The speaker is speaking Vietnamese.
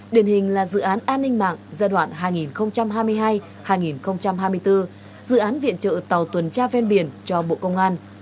điển hình là dự án an ninh mạng giai đoạn hai nghìn hai mươi hai hai nghìn hai mươi bốn dự án viện trợ tàu tuần tra ven biển cho bộ công an